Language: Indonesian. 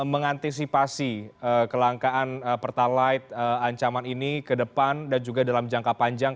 mengantisipasi kelangkaan pertalite ancaman ini ke depan dan juga dalam jangka panjang